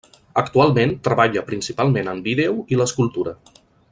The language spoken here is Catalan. Actualment treballa principalment en vídeo i l'escultura.